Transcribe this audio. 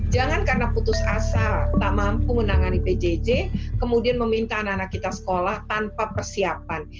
jangan karena putus asa tak mampu menangani pjj kemudian meminta anak anak kita sekolah tanpa persiapan